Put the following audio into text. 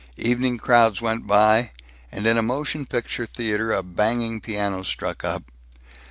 Evening crowds went by, and in a motion picture theater a banging piano struck up.